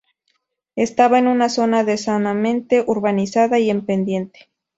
Estaba en una zona densamente urbanizada y en pendiente.